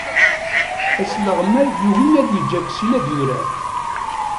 Asleɣmay yugi ad yeǧǧ Aksil ad yurar.